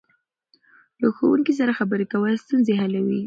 له ښوونکي سره خبرې کول ستونزې حلوي.